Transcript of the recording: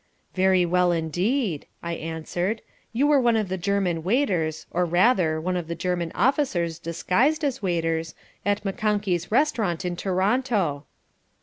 "Very well, indeed," I answered. "You were one of the German waiters, or rather, one of the German officers disguised as waiters at McConkey's Restaurant in Toronto."